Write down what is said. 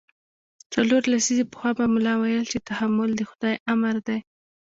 څلور لسیزې پخوا به ملا ویل چې تحمل د خدای امر دی.